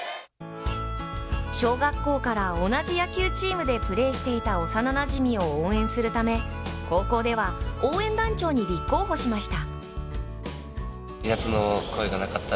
小学校から同じ野球チームでプレーしていた幼なじみを応援するため、高校では応援団長に立候補しました。